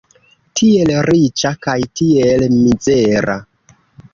Tiel riĉa kaj tiel mizera!